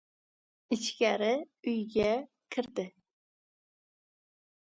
Ichkari uyga kirdi.